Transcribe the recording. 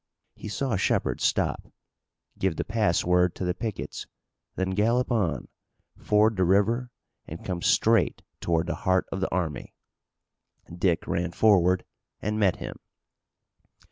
He saw Shepard stop, give the pass word to the pickets, then gallop on, ford the river and come straight toward the heart of the army. Dick ran forward and met him.